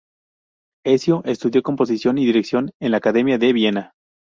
Ezio estudió composición y dirección en la Academia de Viena.